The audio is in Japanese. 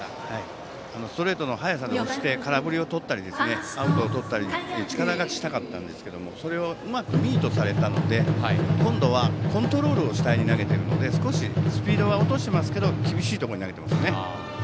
ストレートの速さで押して空振りをとったりアウトをとったり力勝ちしたかったんですがそれをうまくミートされたので今度はコントロール主体に投げているので少しスピードは落としてますけど厳しいところに投げていますね。